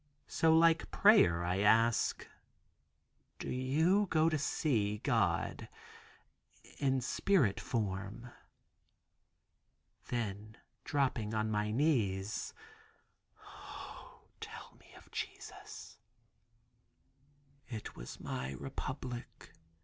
So like prayer I ask: "Do you go to see God in spirit form?" Then dropping on my knees, "O tell me of Jesus." "It was my republic.